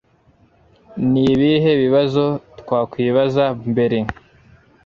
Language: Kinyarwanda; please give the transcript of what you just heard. ni ibihe bibazo twakwibaza mbere